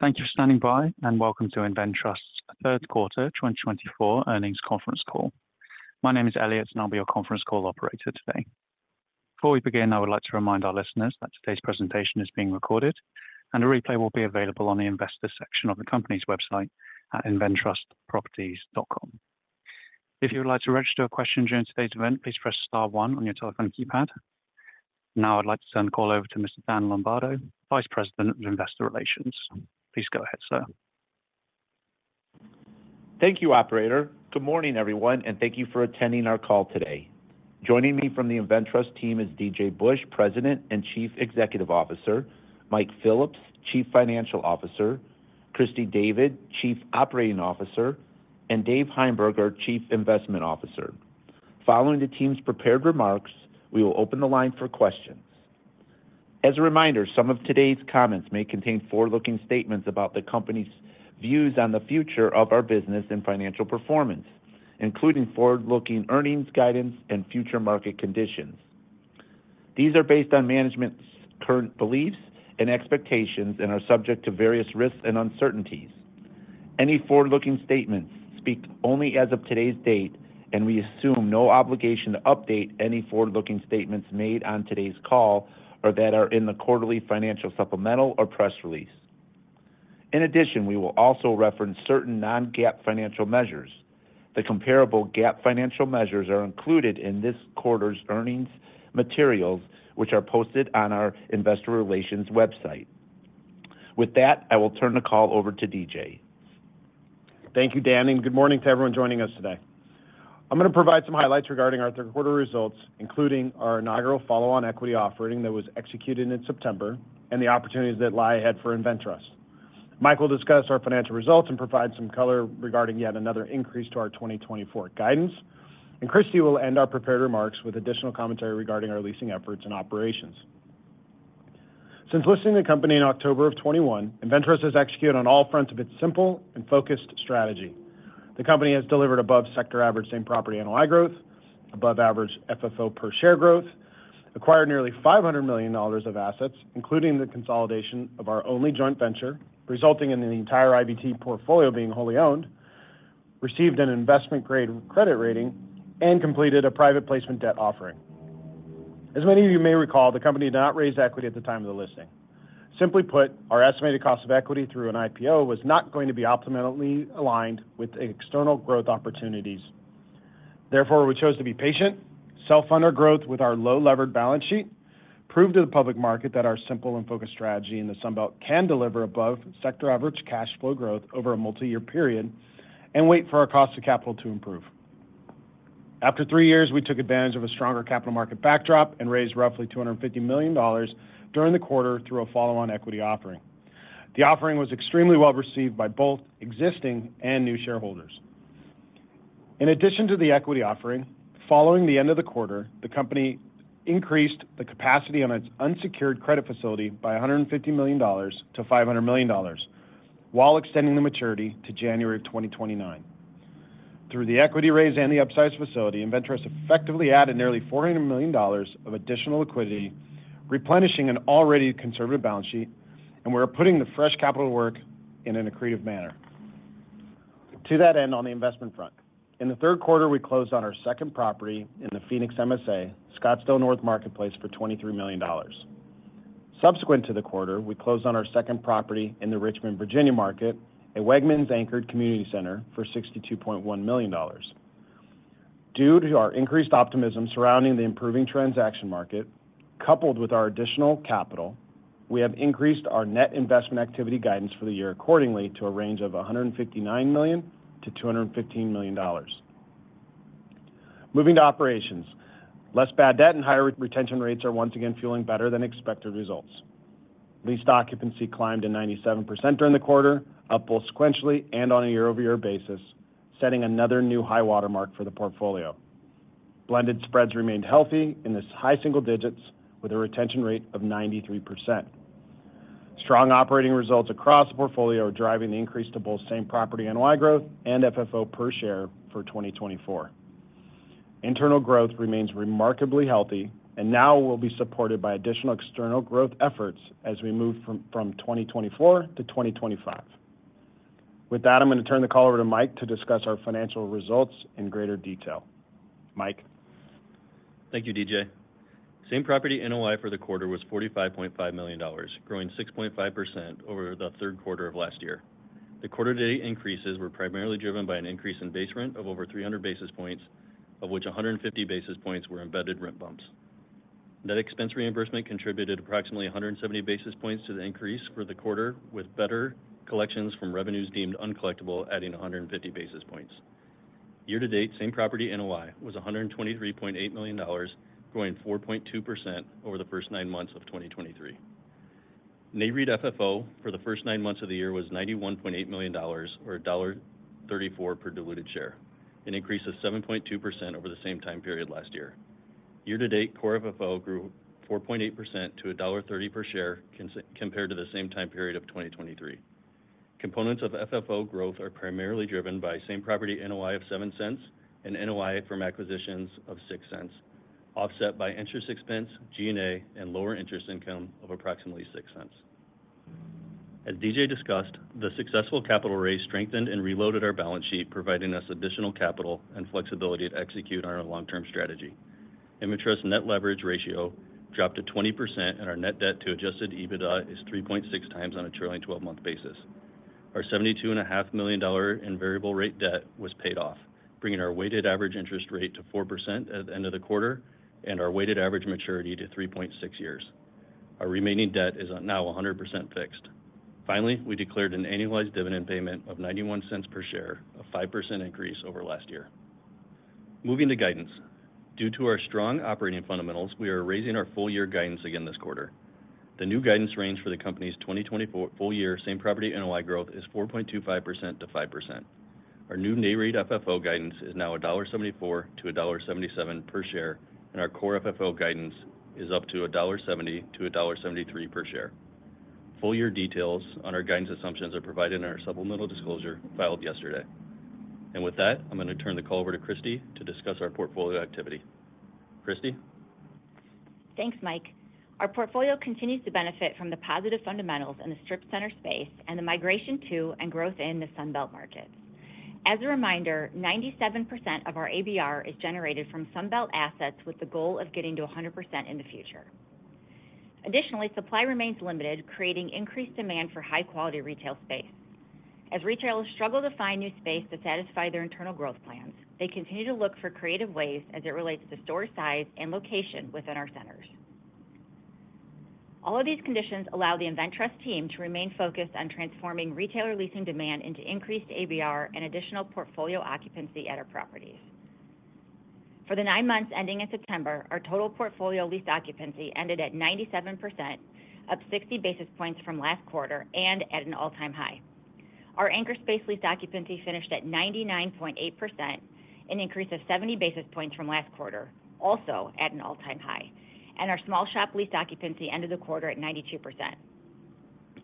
Thank you for standing by, and welcome to InvenTrust's third quarter 2024 earnings conference call. My name is Elliot, and I'll be your conference call operator today. Before we begin, I would like to remind our listeners that today's presentation is being recorded, and a replay will be available on the investor section of the company's website at inventrustproperties.com. If you would like to register a question during today's event, please press star one on your telephone keypad. Now, I'd like to turn the call over to Mr. Dan Lombardo, Vice President of Investor Relations. Please go ahead, sir. Thank you, Operator. Good morning, everyone, and thank you for attending our call today. Joining me from the InvenTrust team is D.J. Busch, President and Chief Executive Officer, Mike Phillips, Chief Financial Officer, Christy David, Chief Operating Officer, and Dave Heimberger, Chief Investment Officer. Following the team's prepared remarks, we will open the line for questions. As a reminder, some of today's comments may contain forward-looking statements about the company's views on the future of our business and financial performance, including forward-looking earnings guidance and future market conditions. These are based on management's current beliefs and expectations and are subject to various risks and uncertainties. Any forward-looking statements speak only as of today's date, and we assume no obligation to update any forward-looking statements made on today's call or that are in the quarterly financial supplemental or press release. In addition, we will also reference certain non-GAAP financial measures. The comparable GAAP financial measures are included in this quarter's earnings materials, which are posted on our Investor Relations website. With that, I will turn the call over to DJ. Thank you, Dan, and good morning to everyone joining us today. I'm going to provide some highlights regarding our third quarter results, including our inaugural follow-on equity offering that was executed in September and the opportunities that lie ahead for InvenTrust. Michael will discuss our financial results and provide some color regarding yet another increase to our 2024 guidance, and Christy will end our prepared remarks with additional commentary regarding our leasing efforts and operations. Since listing the company in October of 2021, InvenTrust has executed on all fronts of its simple and focused strategy. The company has delivered above-sector average same property annualized growth, above-average FFO per share growth, acquired nearly $500 million of assets, including the consolidation of our only joint venture, resulting in the entire IBT portfolio being wholly owned, received an investment-grade credit rating, and completed a private placement debt offering. As many of you may recall, the company did not raise equity at the time of the listing. Simply put, our estimated cost of equity through an IPO was not going to be optimally aligned with external growth opportunities. Therefore, we chose to be patient, self-fund our growth with our low-levered balance sheet, prove to the public market that our simple and focused strategy in the Sunbelt can deliver above-sector average cash flow growth over a multi-year period, and wait for our cost of capital to improve. After three years, we took advantage of a stronger capital market backdrop and raised roughly $250 million during the quarter through a follow-on equity offering. The offering was extremely well received by both existing and new shareholders. In addition to the equity offering, following the end of the quarter, the company increased the capacity on its unsecured credit facility by $150 million to $500 million, while extending the maturity to January of 2029. Through the equity raise and the upsized facility, InvenTrust effectively added nearly $400 million of additional liquidity, replenishing an already conservative balance sheet, and we are putting the fresh capital to work in an accretive manner. To that end, on the investment front, in the third quarter, we closed on our second property in the Phoenix MSA, Scottsdale North Marketplace, for $23 million. Subsequent to the quarter, we closed on our second property in the Richmond, Virginia market, a Wegmans-anchored community center, for $62.1 million. Due to our increased optimism surrounding the improving transaction market, coupled with our additional capital, we have increased our net investment activity guidance for the year accordingly to a range of $159 million-$215 million. Moving to operations, less bad debt and higher retention rates are once again fueling better-than-expected results. Leased occupancy climbed to 97% during the quarter, up both sequentially and on a year-over-year basis, setting another new high watermark for the portfolio. Blended spreads remained healthy in the high single digits, with a retention rate of 93%. Strong operating results across the portfolio are driving the increase to both same property annualized growth and FFO per share for 2024. Internal growth remains remarkably healthy and now will be supported by additional external growth efforts as we move from 2024 to 2025. With that, I'm going to turn the call over to Mike to discuss our financial results in greater detail. Mike. Thank you, DJ. Same property annualized for the quarter was $45.5 million, growing 6.5% over the third quarter of last year. The quarter-to-date increases were primarily driven by an increase in base rent of over 300 basis points, of which 150 basis points were embedded rent bumps. Net expense reimbursement contributed approximately 170 basis points to the increase for the quarter, with better collections from revenues deemed uncollectible adding 150 basis points. Year-to-date, same property annualized was $123.8 million, growing 4.2% over the first nine months of 2023. NAREIT FFO for the first nine months of the year was $91.8 million, or $1.34 per diluted share, an increase of 7.2% over the same time period last year. Year-to-date, core FFO grew 4.8% to $1.30 per share compared to the same time period of 2023. Components of FFO growth are primarily driven by same property annualized of $0.07 and annualized from acquisitions of $0.06, offset by interest expense, G&A, and lower interest income of approximately $0.06. As DJ discussed, the successful capital raise strengthened and reloaded our balance sheet, providing us additional capital and flexibility to execute on our long-term strategy. InvenTrust's net leverage ratio dropped to 20%, and our net debt to Adjusted EBITDA is 3.6 times on a trailing 12-month basis. Our $72.5 million in variable-rate debt was paid off, bringing our weighted average interest rate to 4% at the end of the quarter and our weighted average maturity to 3.6 years. Our remaining debt is now 100% fixed. Finally, we declared an annualized dividend payment of $0.91 per share, a 5% increase over last year. Moving to guidance. Due to our strong operating fundamentals, we are raising our full-year guidance again this quarter. The new guidance range for the company's 2024 full-year same property annualized growth is 4.25%-5%. Our new NAREIT FFO guidance is now $1.74-$1.77 per share, and our core FFO guidance is up to $1.70-$1.73 per share. Full-year details on our guidance assumptions are provided in our supplemental disclosure filed yesterday. And with that, I'm going to turn the call over to Christy to discuss our portfolio activity. Christy? Thanks, Mike. Our portfolio continues to benefit from the positive fundamentals in the Strip Center space and the migration to and growth in the Sunbelt markets. As a reminder, 97% of our ABR is generated from Sunbelt assets with the goal of getting to 100% in the future. Additionally, supply remains limited, creating increased demand for high-quality retail space. As retailers struggle to find new space to satisfy their internal growth plans, they continue to look for creative ways as it relates to store size and location within our centers. All of these conditions allow the InvenTrust team to remain focused on transforming retailer leasing demand into increased ABR and additional portfolio occupancy at our properties. For the nine months ending in September, our total portfolio leased occupancy ended at 97%, up 60 basis points from last quarter, and at an all-time high. Our anchor space leased occupancy finished at 99.8%, an increase of 70 basis points from last quarter, also at an all-time high, and our small shop leased occupancy ended the quarter at 92%.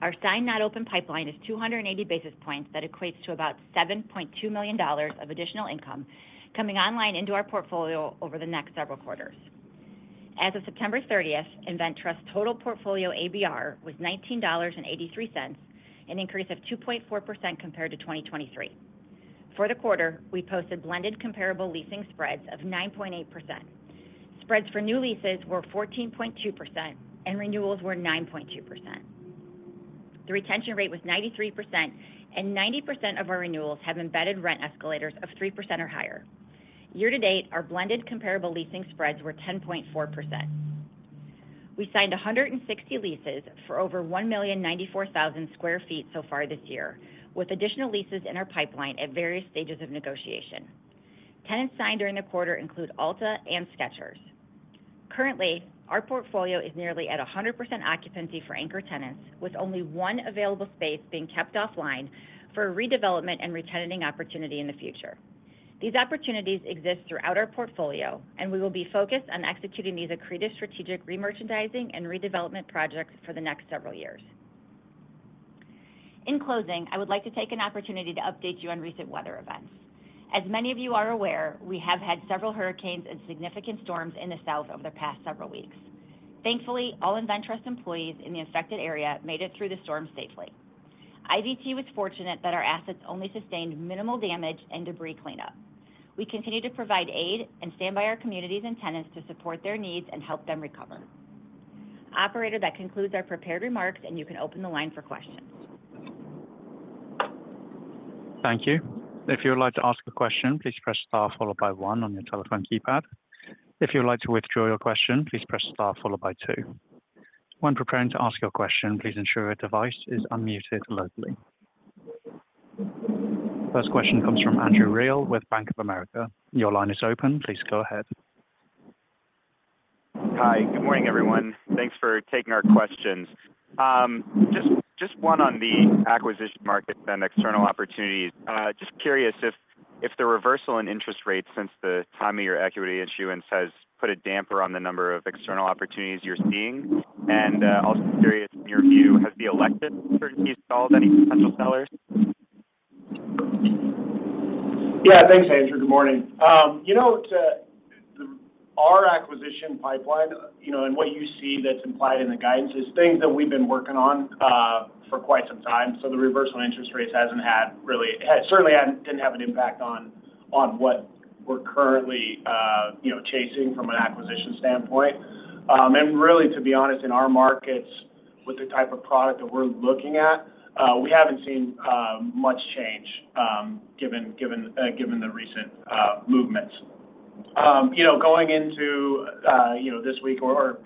Our signed not open pipeline is 280 basis points that equates to about $7.2 million of additional income coming online into our portfolio over the next several quarters. As of September 30th, InvenTrust's total portfolio ABR was $19.83, an increase of 2.4% compared to 2023. For the quarter, we posted blended comparable leasing spreads of 9.8%. Spreads for new leases were 14.2%, and renewals were 9.2%. The retention rate was 93%, and 90% of our renewals have embedded rent escalators of 3% or higher. Year-to-date, our blended comparable leasing spreads were 10.4%. We signed 160 leases for over 1,094,000 sq ft so far this year, with additional leases in our pipeline at various stages of negotiation. Tenants signed during the quarter include Ulta and Skechers. Currently, our portfolio is nearly at 100% occupancy for anchor tenants, with only one available space being kept offline for a redevelopment and retention opportunity in the future. These opportunities exist throughout our portfolio, and we will be focused on executing these accretive strategic re-merchandising and redevelopment projects for the next several years. In closing, I would like to take an opportunity to update you on recent weather events. As many of you are aware, we have had several hurricanes and significant storms in the south over the past several weeks. Thankfully, all InvenTrust employees in the affected area made it through the storm safely. IBT was fortunate that our assets only sustained minimal damage and debris cleanup. We continue to provide aid and stand by our communities and tenants to support their needs and help them recover. Operator, that concludes our prepared remarks, and you can open the line for questions. Thank you. If you would like to ask a question, please press star followed by one on your telephone keypad. If you would like to withdraw your question, please press star followed by two. When preparing to ask your question, please ensure your device is unmuted locally. First question comes from Andrew Rosivello with Bank of America. Your line is open. Please go ahead. Hi, good morning, everyone. Thanks for taking our questions. Just one on the acquisition market and external opportunities. Just curious if the reversal in interest rates since the time of your equity issuance has put a damper on the number of external opportunities you're seeing. And also curious, in your view, has the election certainty solved any potential sellers? Yeah, thanks, Andrew. Good morning. You know, our acquisition pipeline and what you see that's implied in the guidance is things that we've been working on for quite some time. So the reversal interest rates hasn't had really certainly didn't have an impact on what we're currently chasing from an acquisition standpoint. And really, to be honest, in our markets, with the type of product that we're looking at, we haven't seen much change given the recent movements. Going into this week or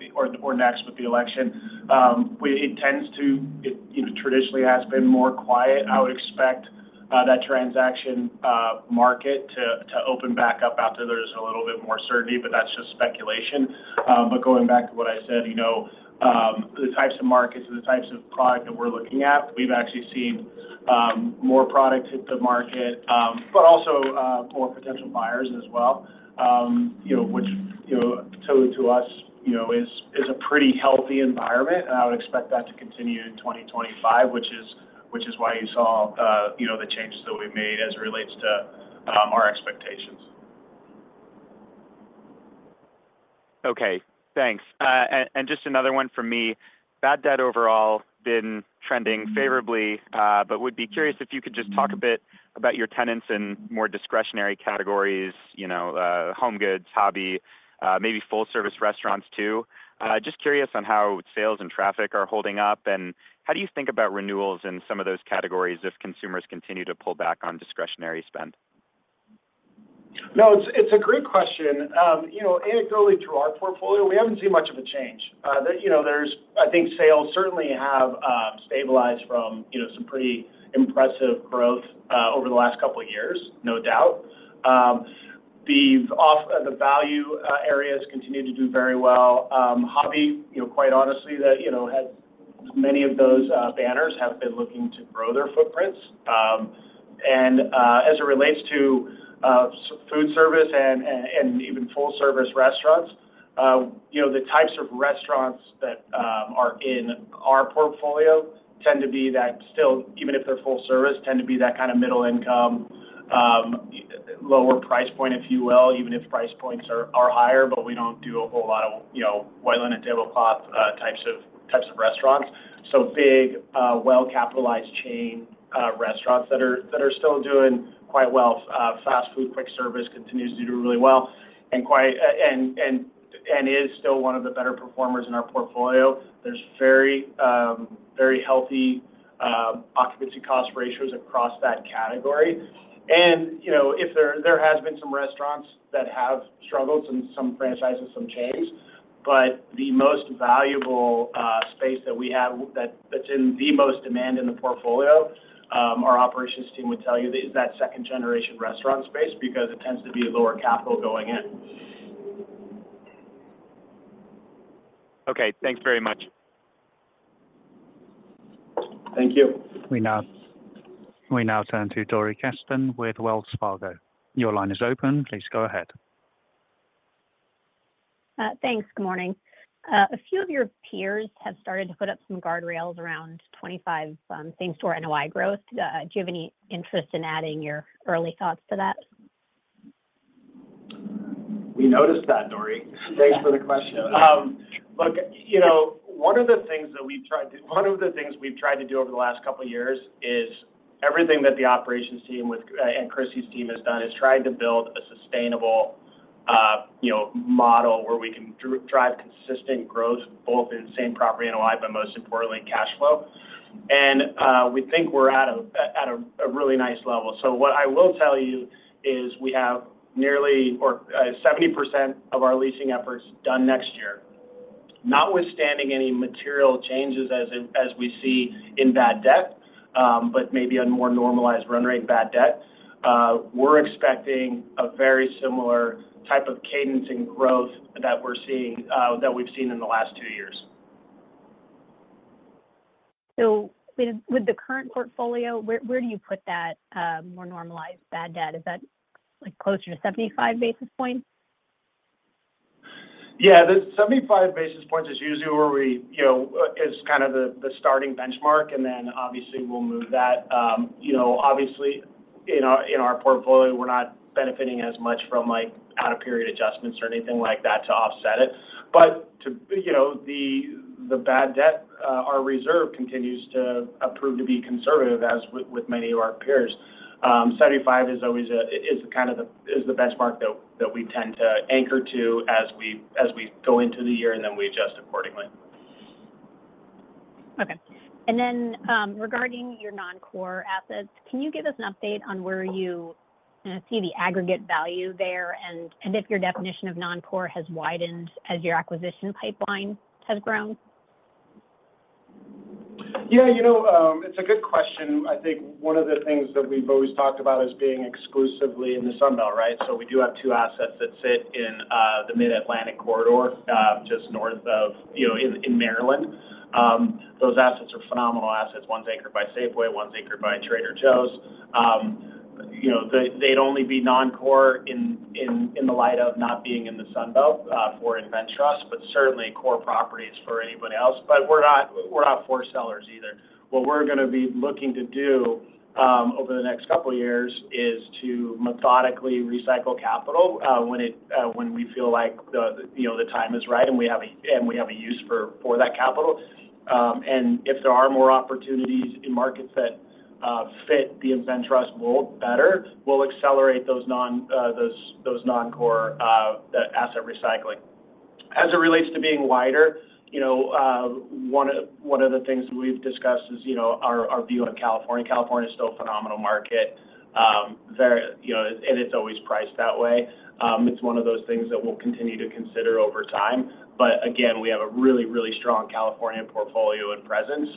next with the election, it tends to traditionally has been more quiet. I would expect that transaction market to open back up after there's a little bit more certainty, but that's just speculation. But going back to what I said, the types of markets and the types of product that we're looking at, we've actually seen more product hit the market, but also more potential buyers as well, which to us is a pretty healthy environment. And I would expect that to continue in 2025, which is why you saw the changes that we made as it relates to our expectations. Okay, thanks, and just another one from me. Bad debt overall been trending favorably, but would be curious if you could just talk a bit about your tenants and more discretionary categories, home goods, hobby, maybe full-service restaurants too. Just curious on how sales and traffic are holding up and how do you think about renewals in some of those categories if consumers continue to pull back on discretionary spend? No, it's a great question. Anecdotally, through our portfolio, we haven't seen much of a change. There's, I think, sales certainly have stabilized from some pretty impressive growth over the last couple of years, no doubt. The value areas continue to do very well. Hobby, quite honestly, that has many of those banners have been looking to grow their footprints. And as it relates to food service and even full-service restaurants, the types of restaurants that are in our portfolio tend to be that still, even if they're full-service, tend to be that kind of middle-income, lower price point, if you will, even if price points are higher, but we don't do a whole lot of white tablecloth types of restaurants. So big, well-capitalized chain restaurants that are still doing quite well. Fast food, quick service continues to do really well and is still one of the better performers in our portfolio. There's very, very healthy occupancy cost ratios across that category. And there has been some restaurants that have struggled, some franchises, some chains, but the most valuable space that we have that's in the most demand in the portfolio, our operations team would tell you, is that second-generation restaurant space because it tends to be lower capital going in. Okay, thanks very much. Thank you. We now turn to Dory Kreston with Wells Fargo. Your line is open. Please go ahead. Thanks. Good morning. A few of your peers have started to put up some guardrails around 25 same-store annualized growth. Do you have any interest in adding your early thoughts to that? We noticed that, Dory. Thanks for the question. Look, one of the things that we've tried to do over the last couple of years is everything that the operations team and Christy's team has done is tried to build a sustainable model where we can drive consistent growth both in same property annualized, but most importantly, cash flow, and we think we're at a really nice level, so what I will tell you is we have nearly 70% of our leasing efforts done next year. Notwithstanding any material changes as we see in bad debt, but maybe a more normalized run rate bad debt, we're expecting a very similar type of cadence and growth that we've seen in the last two years. So with the current portfolio, where do you put that more normalized bad debt? Is that closer to 75 basis points? Yeah, 75 basis points is usually where we it's kind of the starting benchmark, and then obviously we'll move that. Obviously, in our portfolio, we're not benefiting as much from out-of-period adjustments or anything like that to offset it. But the bad debt, our reserve continues to prove to be conservative as with many of our peers. 75 is kind of the benchmark that we tend to anchor to as we go into the year, and then we adjust accordingly. Okay, and then regarding your non-core assets, can you give us an update on where you see the aggregate value there and if your definition of non-core has widened as your acquisition pipeline has grown? Yeah, it's a good question. I think one of the things that we've always talked about is being exclusively in the Sunbelt, right? So we do have two assets that sit in the Mid-Atlantic corridor just north of in Maryland. Those assets are phenomenal assets. One's anchored by Safeway. One's anchored by Trader Joe's. They'd only be non-core in the light of not being in the Sunbelt for InvenTrust, but certainly core properties for anybody else. But we're not for sale either. What we're going to be looking to do over the next couple of years is to methodically recycle capital when we feel like the time is right and we have a use for that capital. And if there are more opportunities in markets that fit the InvenTrust mold better, we'll accelerate those non-core asset recycling. As it relates to being wider, one of the things that we've discussed is our view on California. California is still a phenomenal market, and it's always priced that way. It's one of those things that we'll continue to consider over time. But again, we have a really, really strong California portfolio and presence.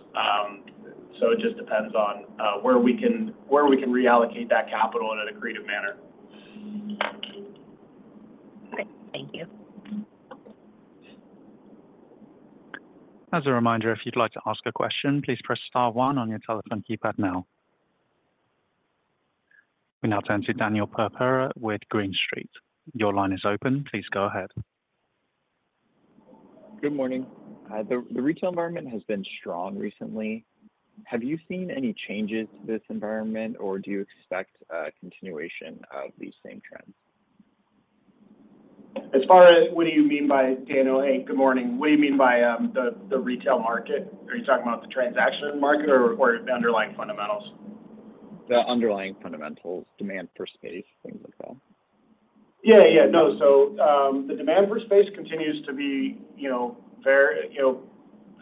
So it just depends on where we can reallocate that capital in an accretive manner. Okay, thank you. As a reminder, if you'd like to ask a question, please press star one on your telephone keypad now. We now turn to Daniel Parker with Green Street. Your line is open. Please go ahead. Good morning. The retail environment has been strong recently. Have you seen any changes to this environment, or do you expect continuation of these same trends? As far as what do you mean by, Daniel? Hey, good morning? What do you mean by the retail market? Are you talking about the transaction market or the underlying fundamentals? The underlying fundamentals, demand for space, things like that. Yeah, yeah. No, so the demand for space continues to be very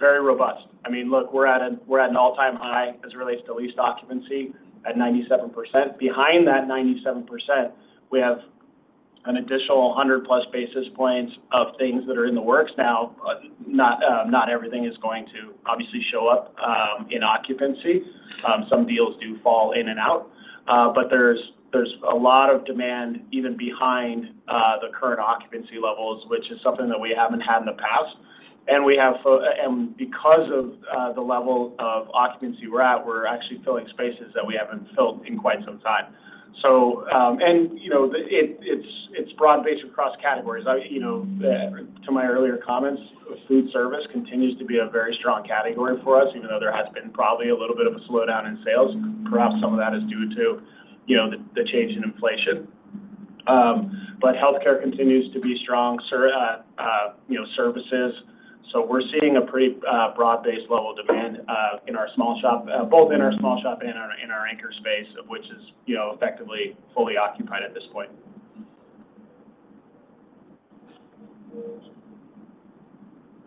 robust. I mean, look, we're at an all-time high as it relates to lease occupancy at 97%. Behind that 97%, we have an additional 100-plus basis points of things that are in the works now. Not everything is going to obviously show up in occupancy. Some deals do fall in and out. But there's a lot of demand even behind the current occupancy levels, which is something that we haven't had in the past. And because of the level of occupancy we're at, we're actually filling spaces that we haven't filled in quite some time. And it's broad-based across categories. To my earlier comments, food service continues to be a very strong category for us, even though there has been probably a little bit of a slowdown in sales. Perhaps some of that is due to the change in inflation. But healthcare continues to be strong, services. So we're seeing a pretty broad-based level of demand in our small shop, both in our small shop and in our anchor space, which is effectively fully occupied at this point.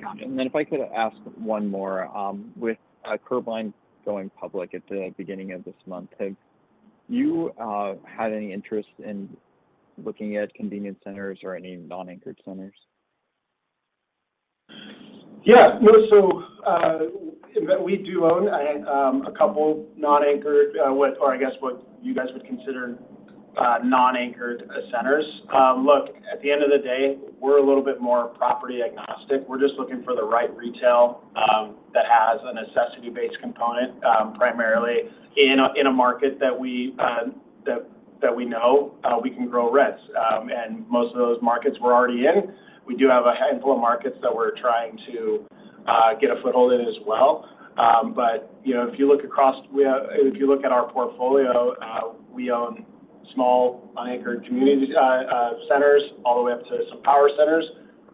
Got it. And then if I could ask one more. With Curbline going public at the beginning of this month, have you had any interest in looking at convenience centers or any non-anchored centers? Yeah. So we do own a couple non-anchored, or I guess what you guys would consider non-anchored centers. Look, at the end of the day, we're a little bit more property agnostic. We're just looking for the right retail that has a necessity-based component primarily in a market that we know we can grow rents. And most of those markets we're already in. We do have a handful of markets that we're trying to get a foothold in as well. But if you look across, if you look at our portfolio, we own small unanchored community centers all the way up to some power centers.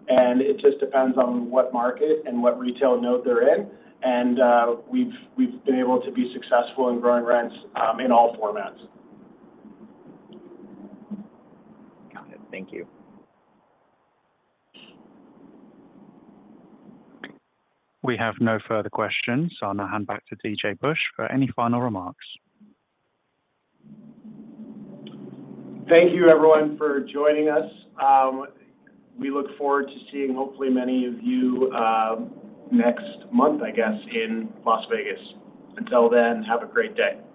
And it just depends on what market and what retail node they're in. And we've been able to be successful in growing rents in all formats. Got it. Thank you. We have no further questions, so I'll now hand back to DJ Busch for any final remarks. Thank you, everyone, for joining us. We look forward to seeing, hopefully, many of you next month, I guess, in Las Vegas. Until then, have a great day.